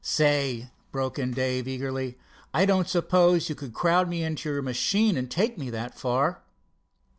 "Say," broke in Dave eagerly, "I don't suppose you could crowd me into your machine and take me that far?"